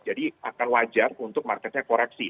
jadi akan wajar untuk marketnya koreksi